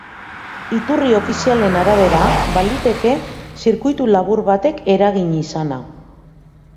Iturri ofizialen arabera, baliteke zirkuitulabur batek eragin izana.